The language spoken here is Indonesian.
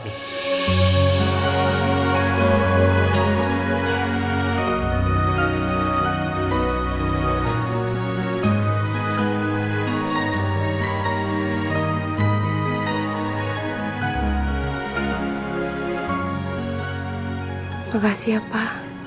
terima kasih apa